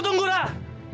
ratu tunggu rah